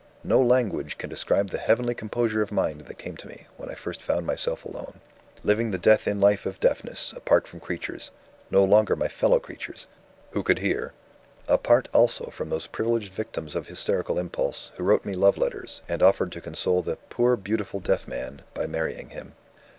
"No language can describe the heavenly composure of mind that came to me, when I first found myself alone; living the death in life of deafness, apart from creatures no longer my fellow creatures who could hear: apart also from those privileged victims of hysterical impulse, who wrote me love letters, and offered to console the 'poor beautiful deaf man' by marrying him.